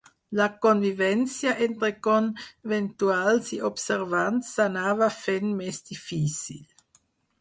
La convivència entre conventuals i observants s'anava fent més difícil.